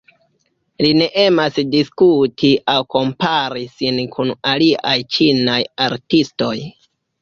Li ne emas diskuti aŭ kompari sin kun aliaj ĉinaj artistoj.